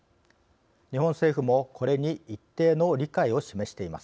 日本政府もこれに一定の理解を示しています。